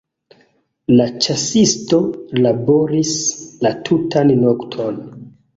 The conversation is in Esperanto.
La ĉasisto laboris la tutan nokton.